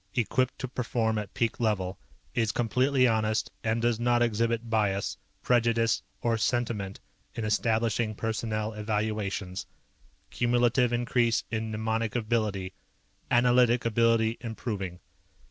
Equipped to perform at peak level. Is completely honest and does not exhibit bias, prejudice, or sentiment in establishing personnel evaluations. Cumulative increase in mnemonic ability. Analytic ability improving.